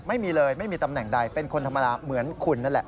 ไม่มีเลยไม่มีตำแหน่งใดเป็นคนธรรมดาเหมือนคุณนั่นแหละ